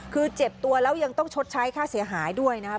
คือเจ็บตัวแล้วยังต้องชดใช้ค่าเสียหายด้วยนะครับ